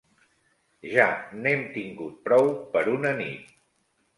Ja n'hem tingut prou, per una nit.